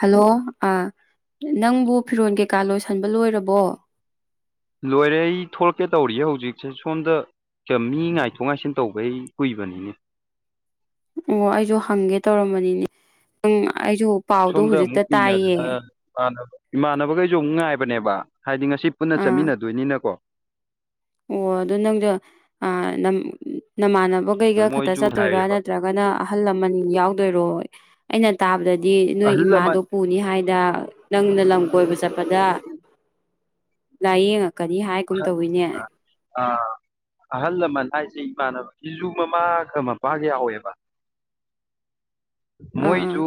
Hello ꯑ ꯅꯪꯕꯨ ꯐꯤꯔꯣꯟꯜ ꯀꯩꯀꯥ ꯂꯣꯏꯁꯟꯕ ꯂꯣꯏꯔꯕꯣ ꯂꯣꯏꯔꯦ ꯑꯩ ꯊꯣꯛꯂꯛꯀꯦ ꯇꯧꯔꯤꯌꯦ ꯍꯧꯖꯤꯛꯁꯦ ꯁꯣꯝꯗ ꯃꯤ ꯉꯥꯏꯊꯣꯛ ꯉꯥꯏꯁꯤꯟ ꯇꯧꯕꯩ ꯀꯨꯏꯕꯅꯤꯅꯦ ꯑꯣ ꯑꯩꯁꯨ ꯍꯪꯒꯦ ꯇꯧꯔꯝꯕꯅꯤꯅꯦ ꯅꯪ ꯑꯩꯁꯨ ꯄꯥꯎꯗꯣ ꯁꯣꯝꯗ ꯍꯧꯖꯤꯛꯇ ꯑꯃꯨꯛ ꯇꯥꯏꯌꯦ ꯀꯨꯏꯅꯗꯅ ꯏꯃꯥꯟꯅꯕ ꯏꯃꯥꯟꯅꯕꯈꯩꯁꯨ ꯑꯃꯨꯛ ꯉꯥꯏꯕ ꯅꯦꯕ ꯍꯥꯏꯗꯤ ꯉꯁꯤ ꯄꯨꯟꯅ ꯑꯥ ꯆꯠꯃꯤꯟꯅꯗꯣꯏꯅꯤꯅꯀꯣ ꯑꯣ ꯑꯗꯨꯣ ꯅꯪꯗꯣ ꯑ ꯅꯃꯥꯟꯅꯕ ꯊꯕꯈꯩꯒ ꯑꯗ ꯈꯛꯇ ꯃꯣꯏꯁꯨ ꯆꯠꯇꯣꯏꯔꯥ ꯍꯥꯏꯌꯦꯕ ꯅꯠꯇ꯭ꯔꯒꯅ ꯑꯍꯜ ꯂꯃꯟ ꯌꯥꯎꯗꯣꯏꯔꯣ ꯑꯩꯅ ꯇꯥꯕꯗꯗꯤ ꯗꯤ ꯅꯣꯏ ꯑꯍꯜ ꯏꯃꯥꯗꯣ ꯂꯃꯟ ꯄꯨꯅꯤ ꯍꯥꯏꯗꯅ ꯅꯪꯅ ꯂꯝ ꯀꯣꯏꯕ ꯆꯠꯄꯗ ꯂꯥꯏꯌꯦꯡꯉ ꯀꯔꯤ ꯍꯥꯏꯒꯨꯝ ꯇꯧꯋꯤꯅꯦ ꯑ ꯑꯍꯜ ꯂꯃꯟ ꯍꯥꯏꯁꯦ ꯏꯃꯥꯟꯅꯕ ꯤꯖꯨ ꯃꯃꯥꯒ ꯃꯄꯥꯒ ꯌꯥꯎꯋꯦꯕ ꯃꯣꯏ ꯑꯥ ꯆꯨ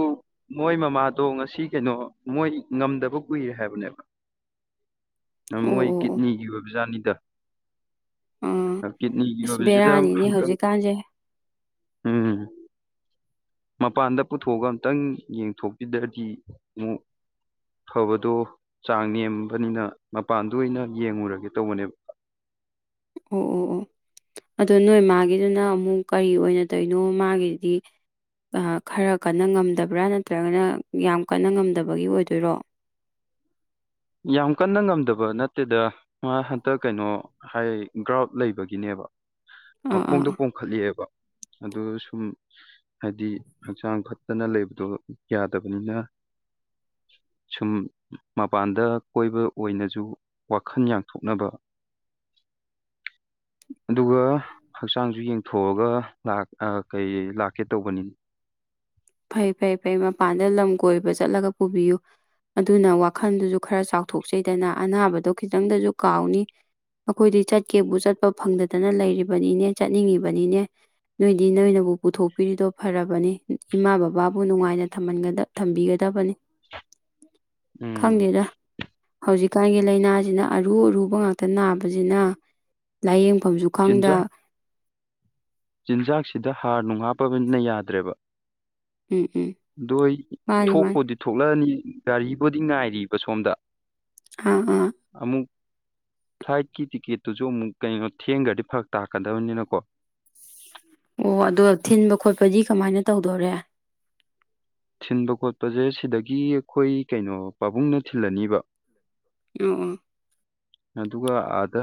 ꯃꯣꯏ ꯃꯃꯥꯗꯣ ꯉꯁꯤ ꯀꯩꯅꯣ ꯃꯣꯏ ꯉꯝꯗꯕ ꯀꯨꯏꯔꯦ ꯍꯥꯏꯕꯅꯦꯕ ꯑꯣ ꯃꯣꯏ ꯑꯣ ꯑꯣ ꯀꯤꯠꯅꯤꯒꯤ ꯑꯣꯏꯕꯖꯥꯠꯅꯤ ꯗ ꯑꯥ ꯀꯤꯠꯅꯤꯒꯤ ꯑꯁ ꯑꯣꯏꯕꯁꯤꯗ ꯕꯦꯔꯥꯅꯤꯅꯦ ꯍꯟꯇꯞ ꯍꯧꯖꯤꯛꯀꯥꯟꯁꯦ ꯍꯝ ꯃꯄꯥꯟꯗ ꯄꯨꯊꯣꯛꯑꯒ ꯑꯝꯇꯪ ꯌꯦꯡꯊꯣꯛꯄꯤꯗ꯭ꯔꯗꯤ ꯑꯃꯨꯛ ꯐꯕꯗꯣ ꯆꯥꯡ ꯅꯦꯝꯕꯅꯤꯅ ꯃꯄꯥꯟꯗ ꯑꯣꯏꯅ ꯌꯦꯡꯉꯨꯔꯒꯦ ꯇꯧꯕꯅꯦꯕ ꯑꯣ ꯑꯣ ꯑꯣ ꯑꯗꯣ ꯅꯣꯏ ꯃꯥꯒꯤꯗꯨꯅ ꯑꯃꯨꯛ ꯀꯔꯤ ꯑꯣꯏꯅ ꯇꯣꯏꯅꯣ ꯃꯥꯒꯤꯗꯤ ꯈꯔ ꯀꯟꯅ ꯉꯝꯗꯕ꯭ꯔꯥ ꯅꯠꯇ꯭ꯔꯒꯅ ꯌꯥꯝ ꯀꯟꯅ ꯉꯝꯗꯕꯒꯤ ꯑꯣꯏꯗꯣꯏꯔꯣ ꯌꯥꯝ ꯀꯟꯅ ꯉꯝꯗꯕ ꯅꯠꯇꯦꯗ ꯃꯥ ꯍꯟꯇꯛ ꯀꯩꯅꯣ ꯍꯥꯏ ꯒ꯭ꯔꯥꯎꯠ ꯂꯩꯕꯒꯤꯅꯦꯕ ꯑꯥ ꯃꯈꯣꯡꯗ ꯑꯥ ꯄꯣꯝꯈꯠꯂꯤꯑꯦꯕ ꯑꯗꯨ ꯁꯨꯝ ꯍꯥꯏꯗꯤ ꯍꯛꯆꯥꯡ ꯐꯠꯇꯅ ꯂꯩꯕꯗꯣ ꯌꯥꯗꯕꯅꯤꯅ ꯁꯨꯝ ꯃꯄꯥꯟꯗ ꯀꯣꯏꯕ ꯑꯣꯏꯅꯁꯨ ꯋꯥꯈꯜ ꯌꯥꯡꯊꯣꯛꯅꯕ ꯑꯗꯨꯒ ꯍꯛꯆꯥꯡꯁꯨ ꯌꯦꯡꯊꯣꯛꯑꯒ ꯀꯩ ꯂꯥꯛꯀꯦ ꯇꯧꯕꯅꯤꯅ ꯐꯩ ꯐꯩ ꯐꯩ ꯃꯄꯥꯟꯗ ꯂꯝ ꯀꯣꯏꯕ ꯆꯠꯂꯒ ꯄꯨꯕꯤꯌꯨ ꯑꯗꯨꯅ ꯋꯥꯈꯜꯗꯨꯁꯨ ꯈꯔ ꯆꯥꯎꯊꯣꯛꯆꯩꯗꯅ ꯑꯅꯥꯕꯗꯣ ꯈꯤꯇꯪꯗꯁꯨ ꯀꯥꯎꯅꯤ ꯑꯩꯈꯣꯏꯗꯤ ꯆꯠꯀꯦꯕꯨ ꯆꯠꯄ ꯐꯪꯗꯗꯅ ꯂꯩꯔꯤꯕꯅꯤꯅꯦ ꯆꯠꯅꯤꯡꯉꯤꯕꯅꯤꯅꯦ ꯅꯣꯏꯗꯤ ꯅꯣꯏꯅꯕꯨ ꯄꯨꯊꯣꯛꯄꯤꯔꯤꯗꯣ ꯐꯔꯕꯅꯤ ꯏꯃꯥ ꯕꯕꯥꯕꯨ ꯅꯨꯡꯉꯥꯏꯅ ꯊꯝꯕꯤꯒꯗꯕꯅꯤ ꯎꯝ ꯈꯪꯗꯦꯗ ꯍꯧꯖꯤꯛ ꯍꯧꯖꯤꯀꯥꯟꯒꯤ ꯂꯥꯏꯅꯥꯁꯤꯅ ꯑꯔꯨ ꯑꯔꯨꯕ ꯉꯥꯛꯇ ꯅꯥꯕꯁꯤꯅ ꯂꯥꯏꯌꯦꯡ ꯃꯐꯝꯁꯨ ꯆꯤꯟꯖꯥꯛ ꯈꯪꯗ ꯆꯤꯟꯖꯥꯛꯁꯤꯗ ꯍꯥꯔ ꯅꯨꯡ ꯍꯥꯞꯄꯅ ꯌꯥꯗ꯭ꯔꯦꯕ ꯎꯝ ꯎꯝ ꯑꯗꯨꯣ ꯑꯩ ꯃꯥꯅꯤ ꯃꯥꯅꯤ ꯊꯣꯛꯄꯗꯤ ꯊꯣꯛꯂꯛꯑꯅꯤ ꯒꯥꯔꯤꯕꯨꯣꯗꯤ ꯉꯥꯏꯔꯤꯕ ꯁꯣꯝꯗ ꯑꯥ ꯑꯥ ꯑꯃꯨꯛ ꯐ꯭ꯂꯥꯏꯠꯀꯤ ꯇꯤꯛꯀꯦꯠꯇꯨꯁꯨ ꯑꯃꯨꯛ ꯀꯩꯅꯣ ꯊꯦꯡꯈ꯭ꯔꯗꯤ ꯐꯔꯛ ꯇꯥꯛꯀꯗꯕꯅꯤꯅꯀꯣ ꯑꯣ ꯑꯗ ꯊꯤꯟꯕ ꯈꯣꯠꯄꯗꯤ ꯀꯃꯥꯏꯅ ꯇꯧꯗꯣꯔꯦ ꯊꯤꯟꯕ ꯈꯣꯠꯄꯁꯦ ꯁꯤꯗꯒꯤ ꯑꯩꯈꯣꯏ ꯀꯩꯅꯣ ꯄꯥꯕꯨꯡꯅ ꯊꯤꯜꯂꯅꯤꯕ ꯌꯨꯡ ꯑꯗꯨꯒ ꯑꯥꯗ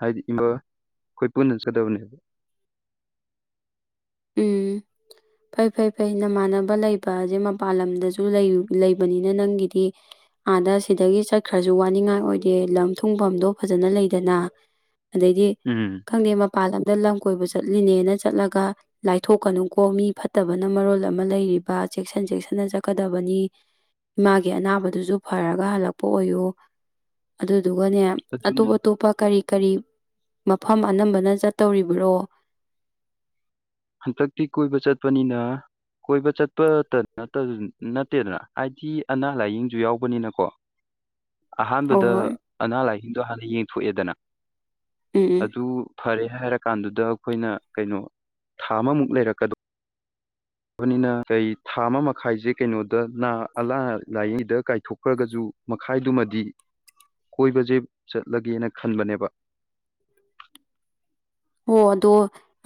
ꯍꯥꯏꯗꯤ ꯏꯃꯥ ꯑꯩꯈꯣꯏ ꯄꯨꯟꯅꯠ ꯆꯗꯕꯅꯦꯕ ꯎꯝ ꯐꯩ ꯐꯩ ꯐꯩ ꯅꯃꯥꯟꯅꯕ ꯂꯩꯕꯁꯦ ꯃꯄꯥꯜ ꯂꯝꯗꯁꯨ ꯂꯩꯕꯅꯤꯅ ꯅꯪꯒꯤꯗꯤ ꯑꯥꯗ ꯁꯤꯗꯒꯤ ꯆꯠꯈ꯭ꯔꯁꯨ ꯋꯥꯅꯤꯡꯉꯥꯏ ꯑꯣꯏꯗꯦ ꯂꯝ ꯊꯨꯡꯐꯝꯗꯣ ꯐꯖꯅ ꯂꯩꯗꯅ ꯑꯗꯩꯗꯤ ꯎꯝ ꯈꯪꯗꯦ ꯃꯄꯥꯟ ꯂꯝ ꯗ ꯂꯝ ꯀꯣꯏꯕ ꯆꯠꯂꯤꯅꯦꯅ ꯆꯠꯂꯒ ꯂꯥꯏꯊꯣꯛꯀꯅꯨꯀꯣ ꯃꯤ ꯐꯠꯇꯕꯅ ꯃꯔꯣꯜ ꯑꯃ ꯂꯩꯔꯤꯕ ꯆꯦꯛꯁꯤꯟ ꯆꯦꯛꯁꯤꯟꯅ ꯆꯠꯀꯗꯕꯅꯤ ꯏꯃꯥꯒꯤ ꯑꯅꯥꯕꯗꯨꯁꯨ ꯐꯔꯒ ꯍꯜꯂꯛꯄ ꯑꯣꯏꯌꯨ ꯑꯗꯨ ꯑꯗꯨꯒꯅꯦ ꯑꯇꯣꯞ ꯑꯗꯨꯅꯦ ꯑꯇꯣꯞꯄ ꯀꯔꯤ ꯀꯔꯤ ꯃꯐꯝ ꯑꯅꯝꯕꯅ ꯆꯠꯇꯧꯔꯤꯕ꯭ꯔꯣ ꯍꯟꯗꯛꯇꯤ ꯀꯣꯏꯕ ꯆꯠꯄꯅꯤꯅ ꯀꯣꯏꯕ ꯆꯠꯄꯇ ꯅꯠꯇꯦ ꯅꯠꯇꯦꯗꯅ ꯍꯥꯏꯗꯤ ꯑꯅꯥ ꯂꯥꯏꯌꯦꯡꯁꯨ ꯌꯥꯎꯕꯅꯤꯅꯀꯣ ꯍꯣꯏ ꯑꯍꯥꯟꯕꯗ ꯍꯣꯏ ꯑꯅꯥ ꯂꯥꯏ ꯁꯤꯡꯗꯣ ꯍꯥꯟꯅ ꯌꯦꯡꯊꯣꯛꯑꯦꯗꯅ ꯎꯝ ꯎꯝ ꯑꯗꯨ ꯐꯔꯦ ꯍꯥꯏꯔ ꯀꯥꯟꯗꯨꯗ ꯑꯩꯈꯣꯏꯅ ꯀꯩꯅꯣ ꯊꯥ ꯑꯃꯃꯨꯛ ꯂꯩꯔꯛꯀꯗꯣ ꯄꯅꯤꯅ ꯀꯩ ꯊꯥ ꯑꯃ ꯃꯈꯥꯏꯁꯦ ꯀꯩꯅꯣꯗ ꯑꯅꯥ ꯂꯥꯏꯌꯦꯡꯗ ꯀꯥꯏꯊꯣꯛꯈ꯭ꯔꯒꯁꯨ ꯃꯈꯥꯏꯗꯨꯃꯗꯤ ꯀꯣꯏꯕꯁꯦ ꯆꯠꯂꯒꯦꯅ ꯈꯟꯕꯅꯦꯕ ꯍꯣ ꯑꯗꯣ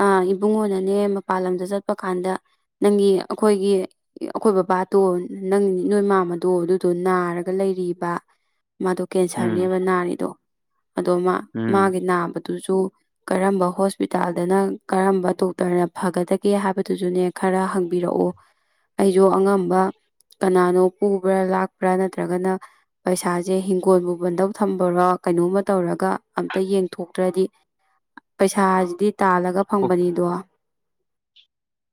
ꯑꯥ ꯏꯕꯨꯡꯉꯣꯅꯅꯦ ꯃꯄꯥꯟ ꯂꯝꯗ ꯆꯠꯄ ꯀꯥꯟꯗ ꯅꯪꯒꯤ ꯑꯩꯈꯣꯏꯒꯤ ꯑꯩꯈꯣꯏ ꯕꯕꯥꯗꯣ ꯅꯪ ꯅꯣꯏ ꯃꯥꯝꯃꯗꯣ ꯑꯗꯨꯗꯣ ꯅꯥꯔꯒ ꯂꯩꯔꯤꯕ ꯃꯥꯗꯣ ꯎꯝ ꯀꯦꯟꯁꯔꯅꯦꯕ ꯅꯥꯔꯤꯗꯣ ꯑꯗꯣ ꯃꯥ ꯎꯝ ꯃꯥꯒꯤ ꯅꯥꯕꯗꯨꯁꯨ ꯀꯔꯝꯕ ꯍꯣꯁꯄꯤꯇꯥꯜꯗꯅ ꯀꯔꯝꯕ ꯗꯣꯛꯇꯔꯅ ꯐꯒꯗꯒꯦ ꯍꯥꯏꯕꯗꯨꯁꯨꯅꯦ ꯈꯔ ꯍꯪꯕꯤꯔꯛꯑꯣ ꯑꯩꯁꯨ ꯑꯉꯝꯕ ꯀꯅꯥꯅꯣ ꯄꯨꯕ꯭ꯔꯥ ꯂꯥꯛꯄ꯭ꯔꯥ ꯅꯠꯇ꯭ꯔꯒꯅ ꯄꯩꯁꯥꯁꯦ ꯍꯤꯡꯒꯣꯜꯕꯨ ꯕꯟꯗꯧ ꯊꯝꯕꯔꯥ ꯀꯩꯅꯣꯝꯃ ꯇꯧꯔꯒ ꯑꯝꯇ ꯌꯦꯡꯊꯣꯛꯇ꯭ꯔꯗꯤ ꯄꯩꯁꯥꯁꯤꯗꯤ ꯇꯥꯜꯂꯒ ꯐꯪꯕꯅꯤꯗꯣ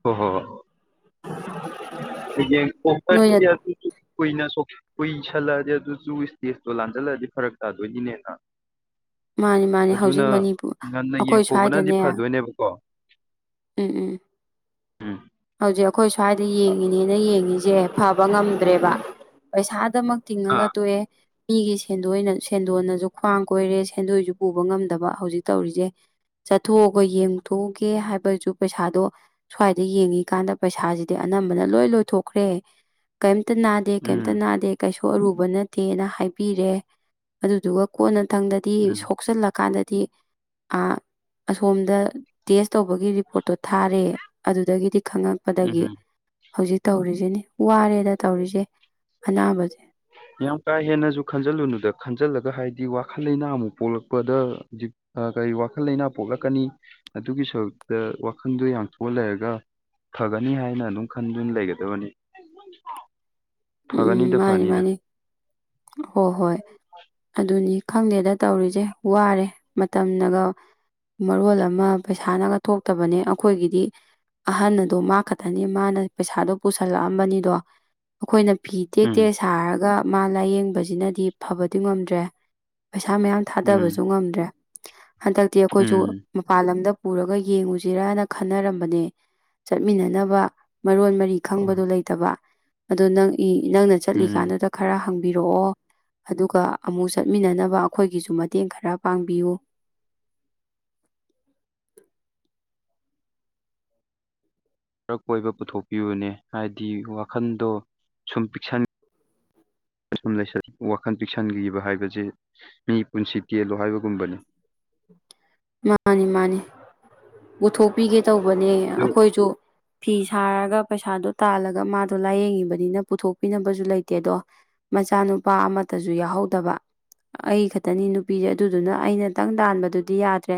ꯍꯣꯏ ꯍꯣꯏ ꯍꯣꯏ [inaudible] ꯑꯣꯔ ꯅꯣꯏꯅ ꯁꯣ [unintelligible] [inaudible] ꯀꯨꯏꯁꯜꯂꯛꯑꯗꯤ ꯑꯗꯨꯁꯨ ꯏꯁꯇꯦꯖꯇꯣ ꯂꯥꯟꯖꯜꯂꯛꯑꯗꯤ ꯐꯔꯛ ꯇꯥꯗꯣꯏꯅꯤꯅꯦꯅ ꯃꯥꯅꯤ ꯃꯥꯅꯤ ꯍꯧꯖꯤꯛ ꯑꯗꯨꯅ ꯃꯅꯤꯄꯨꯔ ꯉꯟꯅ ꯑꯩꯈꯣꯏ ꯌꯦꯡꯊꯣꯛꯄꯅꯗꯤ ꯁ꯭ꯋꯥꯏꯗꯅꯦ ꯐꯗꯣꯏꯅꯦꯕꯀꯣ ꯎꯝ ꯎꯝ ꯎꯝ ꯍꯧꯖꯤꯛ ꯑꯩꯈꯣꯏ ꯁ꯭ꯋꯥꯏꯗ ꯌꯦꯡꯉꯤꯅꯦꯅ ꯌꯦꯡꯉꯤ ꯁꯦ ꯐꯕ ꯉꯝꯗ꯭ꯔꯦꯕ ꯄꯩꯁꯥ ꯗꯃꯛ ꯇꯤꯡꯉꯒ ꯑꯥ ꯇꯣꯛꯑꯦ ꯃꯤꯒꯤ ꯁꯦꯟꯗꯣꯏꯅ ꯁꯦꯟꯗꯣꯟꯅꯁꯨ ꯈ꯭ꯋꯥꯡ ꯀꯣꯏꯔꯦ ꯁꯦꯟꯗꯣꯏꯁꯨ ꯄꯨꯕ ꯉꯝꯗꯕ ꯍꯧꯖꯤꯛ ꯇꯧꯔꯤꯁꯦ ꯆꯠꯊꯣꯛꯑꯒ ꯌꯦꯡꯊꯣꯛꯎꯒꯦ ꯍꯥꯏꯕꯁꯨ ꯄꯩꯁꯥꯗꯣ ꯁ꯭ꯋꯥꯏꯗ ꯌꯦꯡꯉꯤꯀꯥꯟꯗ ꯄꯩꯁꯥꯁꯤꯗꯤ ꯑꯅꯝꯕꯅ ꯂꯣꯏ ꯂꯣꯏꯊꯣꯛꯈ꯭ꯔꯦ ꯀꯩꯝ ꯀꯩꯝꯇ ꯅꯥꯗꯦ ꯀꯩꯝꯇ ꯎꯝ ꯅꯥꯗꯦ ꯀꯩꯁꯨꯝꯇ ꯑꯔꯨꯕ ꯅꯠꯇꯦꯅ ꯍꯥꯏꯕꯤꯔꯦ ꯑꯗꯨꯗꯨꯒ ꯀꯣꯟꯅꯊꯪꯗ ꯗꯤ ꯎꯝ ꯁꯣꯛꯆꯜꯂ ꯀꯥꯟꯗꯗꯤ ꯗꯤ ꯑꯥ ꯑꯁꯣꯝꯗ ꯇꯦꯁ ꯇꯧꯕꯒꯤ ꯔꯤꯄꯣꯔꯠꯇꯣ ꯊꯥꯔꯦ ꯑꯗꯨꯗꯒꯤꯗꯤ ꯎꯝ ꯈꯪꯉꯛꯄꯗꯒꯤ ꯍꯧꯖꯤꯛ ꯇꯧꯔꯤꯁꯤꯅꯤ ꯋꯥꯔꯦꯗ ꯇꯧꯔꯤꯁꯦ ꯑꯅꯥꯕꯁꯦ ꯌꯥꯝ ꯀꯥ ꯍꯦꯟꯅꯁꯨ ꯈꯟꯖꯤꯜꯂꯨꯅꯨꯗ ꯈꯟꯖꯤꯜꯂꯒ ꯍꯥꯏꯗꯤ ꯋꯥꯈꯜ ꯂꯩꯅꯥ ꯑꯃꯨꯛ ꯄꯣꯛꯂꯛꯄꯗ ꯍꯧꯖꯤꯛ ꯀꯔꯤ ꯋꯥꯈꯜ ꯂꯩꯅꯥ ꯄꯣꯛꯂꯛꯀꯅꯤ ꯑꯗꯨꯒꯤ ꯁꯔꯨꯛꯇ ꯋꯥꯈꯟꯗꯣ ꯌꯥꯝꯡꯊꯣꯛꯑ ꯂꯩꯔꯒ ꯐꯒꯅꯤ ꯍꯥꯏꯅ ꯑꯗꯨꯝ ꯈꯟꯗꯨꯅ ꯂꯩꯒꯗꯕꯅꯤ ꯎꯝ ꯐꯒꯅꯤꯗ ꯃꯥꯅꯤ ꯐꯅꯤꯗ ꯃꯥꯅꯤ ꯍꯣꯏ ꯍꯣꯏ ꯑꯗꯨꯅꯤ꯫ ꯈꯪꯗꯦꯗ ꯇꯧꯔꯤꯁꯦ ꯋꯥꯔꯦ ꯃꯇꯝꯅꯒ ꯃꯔꯣꯜ ꯑꯃ ꯄꯩꯁꯥꯅꯒ ꯊꯣꯛꯇꯕꯅꯦ ꯑꯩꯈꯣꯏꯒꯤꯗꯤ ꯑꯍꯟ ꯑꯗꯣ ꯃꯥ ꯈꯛꯇꯅꯤ ꯃꯥꯅ ꯄꯩꯁꯥꯗꯣ ꯄꯨꯁꯜꯂꯛꯑꯝꯕꯅꯤꯗꯣ ꯑꯩꯈꯣꯏꯅ ꯐꯤ ꯎꯝ ꯇꯦꯛꯇꯦꯛ ꯁꯥꯔꯒ ꯃꯥ ꯂꯥꯏꯌꯦꯡꯕꯁꯦ ꯁꯤꯅꯗꯤ ꯐꯕꯗꯤ ꯉꯝꯗ꯭ꯔꯦ ꯄꯩꯁꯥ ꯃꯌꯥꯝ ꯊꯥꯗꯕꯁꯨ ꯎꯝ ꯉꯝꯗ꯭ꯔꯦ ꯍꯟꯗꯛꯇꯤ ꯑꯩꯈꯣꯏꯁꯨ ꯎꯝ ꯃꯄꯥꯟ ꯂꯝꯗ ꯄꯨꯔꯒ ꯌꯦꯡꯉꯨꯁꯤꯔꯅ ꯈꯟꯅꯔꯝꯕꯅꯦ ꯆꯠꯃꯤꯟꯅꯅꯕ ꯃꯔꯣꯟ ꯃꯔꯤ ꯈꯪꯕꯗꯣ ꯂꯩꯇꯕ꯫ ꯑꯗꯣ ꯅꯪ ꯏ ꯅꯪꯅ ꯎꯝ ꯆꯠꯂꯤꯀꯥꯟꯗꯨꯗ ꯈꯔ ꯍꯪꯕ ꯕꯤꯔꯛꯑꯣ ꯑꯗꯨꯒ ꯑꯃꯨꯛ ꯆꯠꯃꯤꯟꯅꯅꯕ ꯑꯩꯈꯣꯏꯒꯤꯁꯨ ꯃꯇꯦꯡ ꯈꯔ ꯄꯥꯡꯕꯤꯌꯨ ꯃꯔꯛ ꯀꯣꯏꯕ ꯄꯨꯊꯣꯛꯄꯤꯕꯅꯦ ꯍꯥꯏꯗꯤ ꯋꯥꯈꯟꯗꯣ ꯁꯨꯝ ꯄꯤꯛ ꯁꯨꯝ ꯋꯥꯈꯜ ꯄꯤꯛꯁꯟꯈꯤꯕ ꯍꯥꯏꯕꯁꯦ ꯃꯤ ꯄꯨꯟꯁꯤ ꯇꯦꯜꯂꯣ ꯍꯥꯏꯕꯒꯨꯝꯕꯅꯤ꯫ ꯃꯥꯅꯤ ꯃꯥꯅꯤ ꯄꯨꯊꯣꯛꯄꯤꯒꯦ꯫ ꯇꯧꯕꯅꯦ ꯑꯗꯨ ꯑꯩꯈꯣꯏꯁꯨ ꯐꯤ ꯁꯥꯔꯒ ꯄꯩꯁꯥꯗꯣ ꯇꯥꯜꯂꯒ ꯃꯥꯗꯣ ꯂꯥꯏꯌꯦꯡꯉꯤꯕꯅꯤꯅ ꯄꯨꯊꯣꯛꯄꯤꯅꯕꯁꯨ ꯂꯩꯇꯦ ꯑꯗꯣ ꯃꯆꯥꯅꯨꯄꯥ ꯑꯃꯇꯁꯨ ꯌꯥꯎꯍꯧꯗꯕ ꯑꯩ ꯈꯛꯇꯅꯤ ꯅꯨꯄꯤꯁꯦ ꯑꯗꯨꯗꯨꯅ ꯑꯩꯅꯇꯪ ꯇꯥꯟꯕꯗꯨꯗꯤ ꯌꯥ ꯅꯠꯇ꯭ꯔꯦ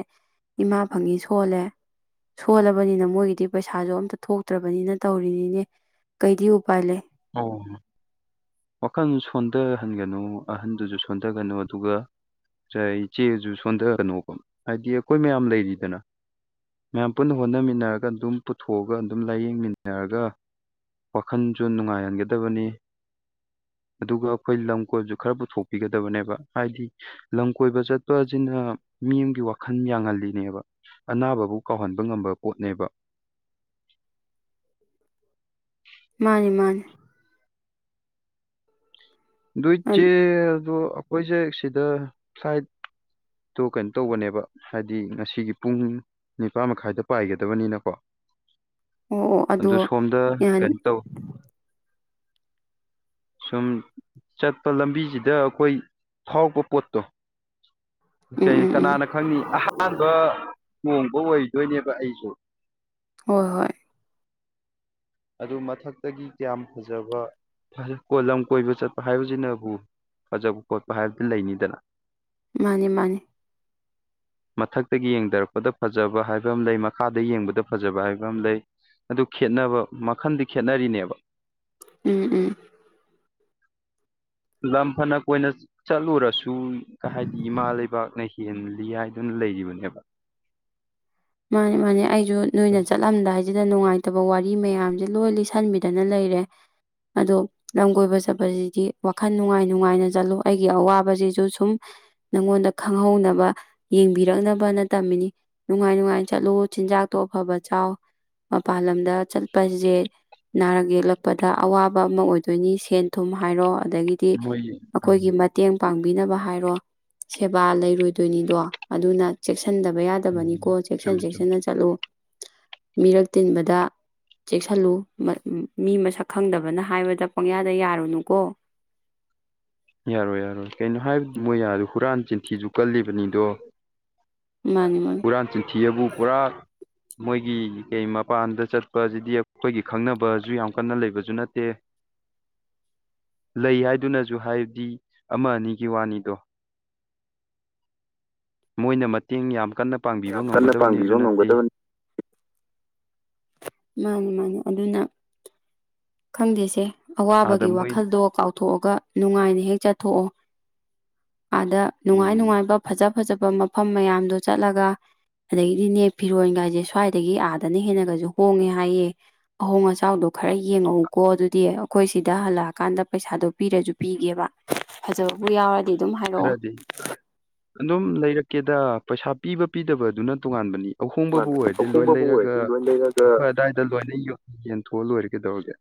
ꯏꯃꯥ ꯐꯪꯉꯤ ꯁꯣꯜꯂꯦ ꯁꯣꯜꯂꯕꯅꯤꯅ ꯃꯣꯏꯒꯤꯗꯤ ꯄꯩꯁꯥꯁꯨ ꯑꯝꯇ ꯊꯣꯛꯇ꯭ꯔꯕꯅꯤꯅ ꯇꯧꯔꯤꯅꯤꯅꯦ ꯀꯩꯗꯤ ꯎꯄꯥꯏ ꯂꯩ ꯑꯣ ꯋꯥꯈꯜ ꯁꯣꯟꯊꯍꯟꯒꯅꯨ ꯑꯍꯟꯗꯨꯁꯨ ꯁꯣꯟꯊꯒꯅꯨ ꯑꯗꯨꯒ ꯏꯆꯦꯁꯨ ꯁꯣꯟꯊꯒꯅꯨꯀꯣ ꯍꯥꯏꯗꯤ ꯑꯩꯈꯣꯏ ꯃꯌꯥꯝ ꯂꯩꯔꯤꯗꯅ ꯃꯌꯥꯝ ꯄꯨꯟꯅ ꯍꯣꯠꯅꯃꯤꯟꯅꯔꯒ ꯑꯗꯨꯝ ꯄꯨꯊꯣꯛꯑꯒ ꯑꯗꯨꯝ ꯂꯥꯏꯌꯦꯡꯃꯤꯟꯅꯔꯒ ꯋꯥꯈꯜꯁꯨ ꯅꯨꯡꯉꯥꯏ ꯌꯥꯍꯟꯒꯗꯕꯅꯤ ꯑꯗꯨꯒ ꯑꯩꯈꯣꯏ ꯂꯝ ꯀꯣꯏꯕꯁꯨ ꯈꯔ ꯄꯨꯊꯣꯛꯄꯤꯒꯗꯕꯅꯦꯕ ꯍꯥꯏꯗꯤ ꯂꯝ ꯀꯣꯏꯕ ꯆꯠꯄ ꯑꯁꯤꯅ ꯃꯤ ꯑꯃꯒꯤꯒꯤ ꯋꯥꯈꯜ ꯌꯥꯡꯍꯜꯂꯤꯅꯦꯕ ꯑꯅꯥꯕꯕꯨ ꯀꯥꯎꯍꯟꯕ ꯉꯝꯕ ꯄꯣꯠꯅꯦꯕ ꯃꯥꯅꯤ ꯃꯥꯅꯤ ꯑꯗꯨꯏ ꯆꯦ ꯑꯣ ꯑꯗꯨ ꯑꯩꯣꯏꯁꯦ ꯁꯤꯗ ꯐ꯭ꯂꯥꯏꯠꯇꯣ ꯀꯩꯅꯣ ꯇꯧꯕꯅꯦꯕ ꯍꯥꯏꯗꯤ ꯉꯁꯤꯒꯤ ꯄꯨꯡ ꯅꯤꯄꯥꯥꯟ ꯃꯈꯥꯏꯗ ꯄꯥꯏꯒꯗꯕꯅꯤꯅꯀꯣ ꯑꯣ ꯑꯣ ꯑꯗꯣ ꯑꯗꯨ ꯌꯥꯍꯟ ꯁꯝ ꯆꯠꯄ ꯂꯝꯕꯤꯁꯤꯗ ꯑꯩꯈꯣꯏ ꯐꯥꯎꯕ ꯄꯣꯠꯇꯣ ꯎꯝ ꯀꯩ ꯎꯝ ꯎꯝ ꯀꯅꯥꯅ ꯈꯪꯅꯤ ꯑꯍꯥꯟꯕ ꯂꯣꯡꯕ ꯑꯣꯏꯗꯣꯏꯅꯦꯕ ꯑꯩꯁꯨ ꯍꯣꯏ ꯍꯣꯏ ꯑꯗꯨ ꯃꯊꯛꯇꯒꯤ ꯀꯌꯥꯝ ꯐꯖꯕ ꯐꯖ ꯀꯣ ꯂꯝ ꯀꯣꯏꯕ ꯆꯠꯄ ꯍꯥꯏꯕꯁꯤꯅꯕꯨ ꯐꯖꯕ ꯈꯣꯠꯄ ꯍꯥꯏꯕꯗꯤ ꯂꯩꯅꯤꯗꯅ ꯃꯥꯅꯤ ꯃꯥꯅꯦ ꯃꯊꯛꯇꯒꯤ ꯌꯦꯡꯊꯔꯛꯄꯗ ꯐꯖꯕ ꯍꯥꯏꯕ ꯑꯃ ꯂꯩ ꯃꯈꯥꯗ ꯌꯦꯡꯕꯗ ꯐꯖꯕ ꯍꯥꯏꯕ ꯑꯃ ꯂꯩ ꯑꯗꯨ ꯈꯦꯠꯅꯕ ꯃꯈꯟꯗꯤ ꯈꯦꯠꯅꯔꯤꯅꯦꯕ ꯎꯝ ꯎꯝ ꯂꯝ ꯐꯅ ꯀꯣꯏꯅ ꯆꯠꯂꯨꯔꯁꯨ ꯍꯥꯏꯗꯤ ꯏꯃꯥ ꯂꯩꯕꯥꯛꯅ ꯍꯦꯜꯂꯤ ꯍꯥꯏꯗꯨꯅ ꯂꯩꯔꯤꯕꯅꯦꯕ ꯃꯥꯅꯤ ꯃꯥꯅꯦ ꯑꯩꯁꯨ ꯅꯣꯏꯅ ꯆꯠꯂꯝꯗꯥꯏ ꯁꯤꯗ ꯅꯨꯡꯉꯥꯏꯇꯕ ꯋꯥꯔꯤ ꯃꯌꯥꯝꯁꯦ ꯂꯣꯏ ꯂꯤꯁꯤꯟꯕꯤꯗꯅ ꯂꯩꯔꯦ ꯑꯗꯣ ꯂꯝ ꯀꯣꯏꯕ ꯆꯠꯄꯁꯤꯗꯤ ꯋꯥꯈꯜ ꯅꯨꯡꯉꯥꯏ ꯅꯨꯡꯉꯥꯏꯅ ꯆꯠꯂꯣ ꯑꯩꯒꯤ ꯑꯋꯥꯕꯁꯤꯁꯨ ꯁꯨꯝ ꯅꯪꯉꯣꯟꯗ ꯈꯪꯍꯧꯅꯕ ꯌꯦꯡꯕꯤꯔꯛꯅꯕꯅ ꯇꯝꯃꯤꯅꯤ ꯅꯨꯡꯉꯥꯏ ꯅꯨꯡꯉꯥꯏ ꯆꯠꯂꯨ ꯆꯤꯟꯖꯥꯛꯇꯣ ꯑꯐꯕ ꯆꯥꯎ ꯃꯄꯜ ꯂꯝꯗ ꯆꯠꯄꯁꯦ ꯅꯥꯔꯛ ꯌꯦꯛꯂꯛꯄꯗ ꯑꯋꯥꯕ ꯑꯃ ꯑꯣꯏꯗꯣꯏꯅꯤ ꯁꯦꯟ ꯊꯨꯝ ꯍꯥꯏꯔꯣ ꯑꯗꯒꯤ ꯗꯤ ꯃꯣꯏ ꯑꯩꯈꯣꯏꯒꯤ ꯃꯇꯦꯡ ꯄꯥꯡꯕꯤꯅꯕ ꯍꯥꯏꯔꯣ ꯁꯦꯕꯥ ꯂꯩꯔꯣꯏꯗꯣꯏꯅꯤꯗꯣ ꯑꯗꯨꯅ ꯆꯦꯛꯁꯥꯟ ꯁꯟꯗꯕ ꯎꯝ ꯌꯥꯗꯕꯅꯤꯀꯣ ꯆꯦꯛꯁꯤꯟ ꯆꯨꯝꯃꯤ ꯆꯨꯝꯃꯤ ꯆꯦꯛꯁꯤꯟꯅ ꯆꯠꯂꯨ ꯃꯤꯔꯛ ꯇꯤꯟꯕꯗ ꯆꯦꯛꯁꯤꯜꯂꯨ ꯃꯥ ꯃꯤ ꯃꯁꯛ ꯈꯪꯗꯕꯅ ꯍꯥꯏꯕꯗ ꯄꯪꯌꯥꯗ ꯌꯥꯔꯨꯅꯨꯀꯣ ꯌꯥꯔꯣꯏ ꯌꯥꯔꯣꯏ ꯀꯩꯅꯣ ꯍꯥꯏꯕ ꯃꯣꯏ ꯑꯥꯗ ꯍꯨꯔꯥꯟ ꯆꯤꯟꯊꯤꯁꯨ ꯀꯜꯂꯤꯕꯅꯤꯗꯣ ꯃꯥꯅꯤ ꯃꯥꯅꯤ ꯍꯨꯔꯥꯥꯟ ꯆꯤꯊꯤꯑꯕꯨ ꯄꯨꯔꯥ ꯃꯣꯏꯒꯤ ꯀꯩ ꯃꯄꯥꯟꯗ ꯆꯠꯄꯁꯤꯗꯤ ꯑꯩꯈꯣꯏꯒꯤ ꯈꯪꯅꯕꯁꯨ ꯌꯥꯝ ꯀꯟꯅ ꯂꯩꯕꯁꯨ ꯅꯠꯇꯦ ꯂꯩ ꯍꯥꯏꯗꯨꯅꯁꯨ ꯍꯥꯏꯕꯗꯤ ꯑꯃ ꯑꯅꯤꯒꯤ ꯋꯥꯅꯤꯗꯣ ꯃꯣꯏꯅ ꯃꯇꯦꯡ ꯌꯥꯝ ꯀꯟꯅ ꯄꯥꯡꯕꯤꯕ ꯌꯥꯝ ꯀꯟꯅ ꯉꯝꯒꯗꯕꯅꯦꯁꯨ ꯄꯥꯡꯕꯤꯕ ꯅꯠꯇꯦ ꯉꯝꯒꯗꯕꯅꯤ ꯃꯥꯅꯤ ꯃꯥꯅꯦ ꯑꯗꯨꯅ ꯈꯪꯗꯦꯁꯦ ꯑꯥꯗ ꯑꯋꯥꯕꯒꯤ ꯃꯣꯏ ꯋꯥꯈꯜꯗꯣ ꯀꯥꯎꯊꯣꯛꯑꯒ ꯅꯨꯡꯉꯥꯏꯅ ꯍꯦꯛ ꯆꯠꯊꯣꯛꯑꯣ ꯑꯗꯥ ꯅꯨꯡꯉꯥꯏ ꯎꯝ ꯅꯨꯡꯉꯥꯏꯕ ꯐꯖ ꯐꯖꯕ ꯃꯐꯝ ꯃꯌꯥꯝꯗꯣ ꯆꯠꯂꯒ ꯑꯗꯒꯤꯗꯤꯅꯦ ꯐꯤꯔꯣꯟꯒꯥꯏꯁꯦ ꯁ꯭ꯋꯥꯏꯗꯒꯤ ꯑꯥꯗꯅ ꯍꯦꯟꯅꯒꯁꯨ ꯍꯣꯡꯉꯦ ꯍꯥꯏꯌꯦ ꯑꯍꯣꯡ ꯑꯆꯥꯎꯗꯣ ꯈꯔ ꯌꯦꯡꯉꯛꯎꯀꯣ ꯑꯗꯨꯗꯤ ꯑꯩꯈꯣꯏ ꯁꯤꯗ ꯍꯜꯂꯛꯑꯀꯥꯟꯗ ꯄꯩꯁꯥꯗꯣ ꯄꯤꯔꯁꯨ ꯄꯤꯒꯦꯕ ꯐꯖꯕꯕꯨ ꯌꯥꯎꯔꯗꯤ ꯑꯗꯨꯝ ꯍꯥꯏꯔꯛꯑꯣ ꯈꯔꯗꯤ ꯑꯗꯨꯝ ꯂꯩꯔꯛꯀꯦ ꯗ ꯄꯩꯁꯥ ꯄꯤꯕ ꯄꯤꯗꯕꯗꯨꯅ ꯇꯣꯉꯥꯟꯕꯅꯤ ꯑꯍꯣꯡꯕꯕꯨ ꯇꯣꯉꯥꯟꯅ ꯑꯣꯏꯔꯗꯤ ꯂꯣꯏ ꯑꯍꯣꯡꯕꯕꯨ ꯂꯩꯔꯒ ꯑꯣꯏꯔꯗꯤ ꯂꯣꯏ ꯂꯩꯔꯒ ꯑꯐ ꯑꯋꯥꯏꯗ ꯂꯣꯏꯅ ꯌ ꯌꯦꯟ ꯍꯣꯜ ꯑꯣꯏꯔꯒꯗꯣꯦ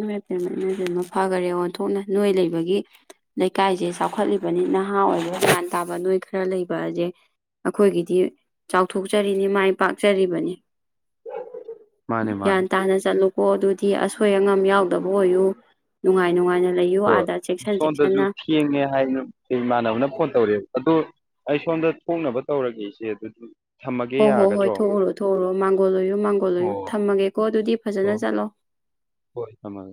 ꯏꯃꯖꯦꯟꯕ ꯐꯈꯔꯦ ꯑꯣꯟꯊꯣꯛꯅ ꯅꯣꯏ ꯂꯩꯕꯒꯤ ꯂꯩꯀꯥꯏꯁꯦ ꯆꯥꯎꯈꯠꯂꯤꯕꯅꯤ ꯅꯍꯥ ꯑꯣꯏꯕ ꯟ ꯇꯥꯕ ꯅꯣꯏ ꯈꯔ ꯂꯩꯕ ꯑꯁꯦ ꯑꯩꯈꯣꯏꯒꯤꯗꯤ ꯆꯥꯎꯊꯣꯛꯆꯔꯤꯅꯤ ꯃꯥꯏ ꯄꯥꯛꯆꯔꯤꯕꯅꯤ ꯃꯥꯅꯦ ꯌꯥ ꯃꯥꯅꯦ ꯇꯥꯅ ꯆꯂꯨ ꯍ ꯑꯗꯨ ꯤ ꯑꯁꯣꯏ ꯑꯉꯥꯝ ꯌꯥꯎꯗꯕ ꯑꯣꯏꯌꯨ ꯅꯨꯡꯉꯥꯏ ꯅꯨꯡꯉꯥꯏꯅ ꯂꯩꯌꯨ ꯍꯣꯏ ꯑꯥꯗ ꯆꯦꯛꯁꯤꯟ ꯁꯣꯝꯗꯁꯨ ꯆꯦꯛꯁꯤꯟꯅ ꯊꯦꯡꯉꯦ ꯍꯥꯏꯅ ꯑꯩ ꯏꯃꯥꯟꯅꯕꯅ ꯐꯣꯟ ꯇꯧꯔꯛꯑꯦ ꯑꯗꯨ ꯑꯩ ꯁꯣꯝꯗ ꯊꯣꯛꯣꯡꯅꯕ ꯇꯧꯔꯒꯦ ꯏꯆꯦ ꯑꯗꯨꯗꯤ ꯊꯝꯃꯒꯦ ꯍꯣꯏ ꯍꯣꯏ ꯍꯣꯏ ꯌꯥꯒꯗ꯭ꯔꯣ ꯊꯣꯛꯎꯔꯣ ꯊꯣꯛꯎꯔꯣ ꯃꯥꯡꯒꯣꯜ ꯂꯣꯏꯌꯨ ꯃꯥꯡꯒꯣꯜ ꯂꯣꯏꯨ ꯑꯣ ꯊꯝꯃꯒꯦꯀꯣ ꯑꯗꯨꯗꯤ ꯐꯖꯅ ꯍꯣꯏ ꯆꯠꯂꯣ ꯍꯣꯏ ꯊꯝꯃꯒꯦ